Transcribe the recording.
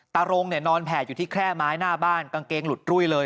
รงเนี่ยนอนแผ่อยู่ที่แคร่ไม้หน้าบ้านกางเกงหลุดรุ่ยเลย